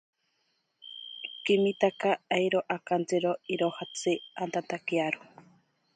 Kimitaka airo akantsiro irojatsi antantakiaro.